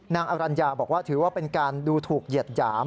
อรัญญาบอกว่าถือว่าเป็นการดูถูกเหยียดหยาม